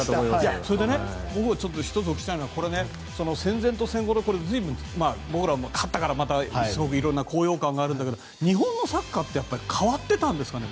それで、１つお聞きしたいのは戦前と戦後随分、僕らも勝ったからすごく色々な高揚感があるんだけど日本のサッカーって変わってたんですかね。